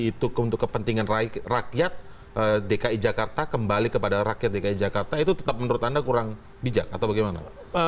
itu untuk kepentingan rakyat dki jakarta kembali kepada rakyat dki jakarta itu tetap menurut anda kurang bijak atau bagaimana